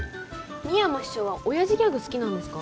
深山師匠は親父ギャグ好きなんですか？